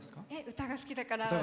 歌が好きだから。